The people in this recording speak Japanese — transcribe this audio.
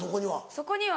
そこには。